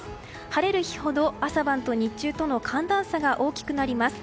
晴れる日ほど、朝晩と日中との寒暖差が大きくなります。